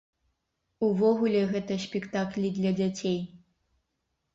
Увогуле, гэта спектаклі для дзяцей.